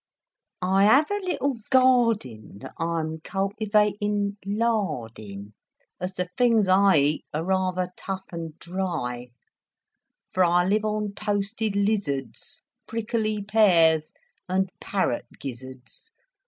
I have a little garden That I'm cultivating lard in, Ab the things I eat are rather tough and dry; 618 Narrative For I live on toasted lizards. Prickly pears and parrot gizzards.